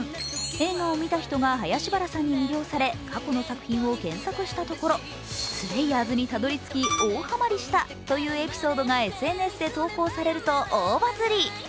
映画を見た人が林原さんに魅了され過去の作品を検索したところ「スレイヤーズ」にたどり着き大ハマりしたというエピソードがＳＮＳで投稿されると大バズり。